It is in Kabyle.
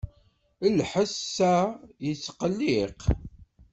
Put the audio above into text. Lḥess-a yettqelliq.